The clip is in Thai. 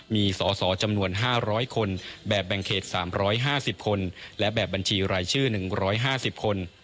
มีสอสอจำนวน๕๐๐คนแบบแบ่งเขต๓๕๐คนและแบบบัญชีรายชื่อ๑๕๐คน